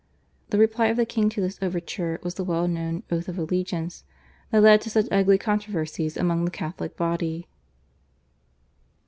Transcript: The reply of the king to this overture was the well known Oath of Allegiance, that led to such ugly controversies among the Catholic body.